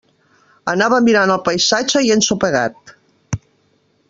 Anava mirant el paisatge i he ensopegat.